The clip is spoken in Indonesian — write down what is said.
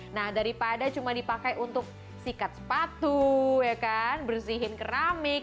nah daripada cuma dipakai untuk sikat sepatu bersihin keramik